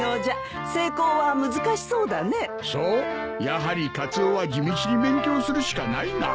やはりカツオは地道に勉強するしかないな。